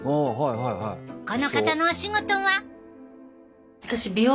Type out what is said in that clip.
この方のお仕事は。